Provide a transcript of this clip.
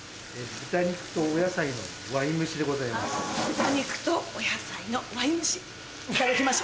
豚肉とお野菜のワイン蒸しいただきましょ。